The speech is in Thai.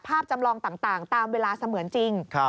จำลองต่างตามเวลาเสมือนจริง